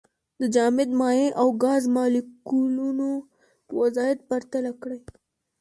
د جامد، مایع او ګاز مالیکولونو وضعیت پرتله کړئ.